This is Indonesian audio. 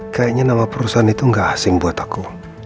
kayaknya nama perusahaan itu gak asing buat aku